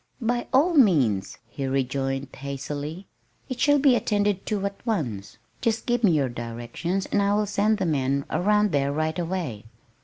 "By all means," he rejoined hastily. "It shall be attended to at once. Just give me your directions and I will send the men around there right away."